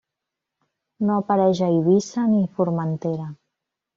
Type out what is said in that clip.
No apareix a Eivissa ni Formentera.